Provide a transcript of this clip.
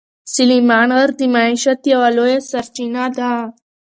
سلیمان غر د معیشت یوه لویه سرچینه ده.